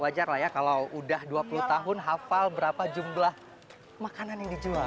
wajar lah ya kalau udah dua puluh tahun hafal berapa jumlah makanan yang dijual